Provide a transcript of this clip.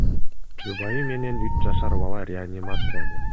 Жубайы менен үч жашар бала реанимацияда.